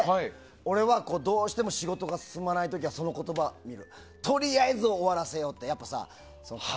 俺はどうしても仕事が進まないときはとりあえず終わらせようって。